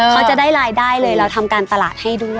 เขาจะได้รายได้เลยเราทำการตลาดให้ด้วย